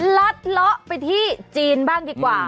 ลัดเลาะไปที่จีนบ้างดีกว่า